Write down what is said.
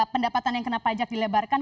pendapatan yang kena pajak dilebarkan